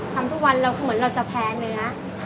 ทำทุกวันเหมือนเราจะแพ้เนื้อ